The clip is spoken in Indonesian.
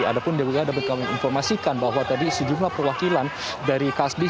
ada pun juga dapat kami informasikan bahwa tadi sejumlah perwakilan dari kasbis